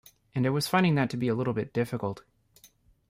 And I was finding that to be a little bit difficult.